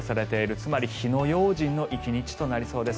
つまり火の用心の１日となりそうです。